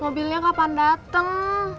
mobilnya kapan datang